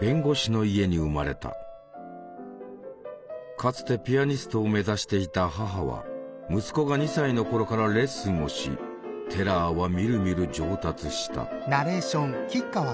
かつてピアニストを目指していた母は息子が２歳の頃からレッスンをしテラーはみるみる上達した。